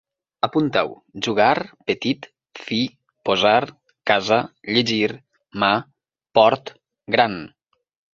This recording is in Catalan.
Apuntau: jugar, petit, fi, posar, casa, llegir, mà, port, gran